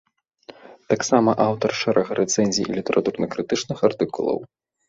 Таксама аўтар шэрага рэцэнзій і літаратурна-крытычных артыкулаў.